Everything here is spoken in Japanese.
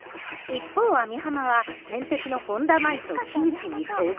一方網浜は天敵の本田麻衣と木内に遭遇。